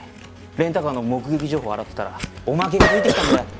レンタカーの目撃情報を洗ってたらおまけがついてきたんだよ。